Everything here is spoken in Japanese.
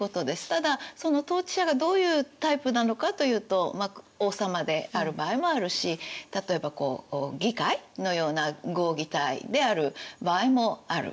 ただその統治者がどういうタイプなのかというと王様である場合もあるし例えば議会のような合議体である場合もある。